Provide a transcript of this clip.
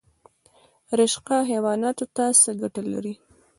رشقه حیواناتو ته څه ګټه لري؟